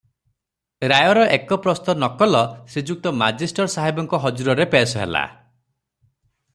ରାୟର ଏକ ପ୍ରସ୍ତ ନକଲ ଶ୍ରୀଯୁକ୍ତ ମାଜିଷ୍ଟର ସାହେବଙ୍କ ହଜୁରରେ ପେଶ ହେଲା ।